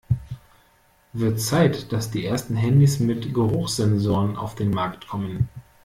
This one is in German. Wird Zeit, dass die ersten Handys mit Geruchssensoren auf den Markt kommen!